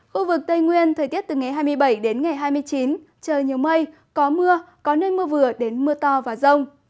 khu vực tây nguyên thời tiết từ ngày hai mươi bảy đến ngày hai mươi chín trời nhiều mây có mưa có nơi mưa vừa đến mưa to và rông